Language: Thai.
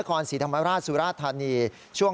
ครับมมันโอ้ว